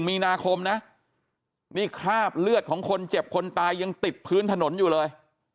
มีนาคมนะนี่คราบเลือดของคนเจ็บคนตายยังติดพื้นถนนอยู่เลย